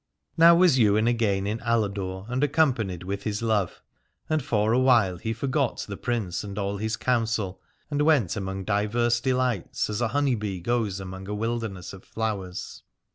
Now was Ywain again in Aladore and accom panied with his love : and for a while he forgot the Prince and all his counsel, and went among divers delights as a honey bee goes among a wilderness of flowers.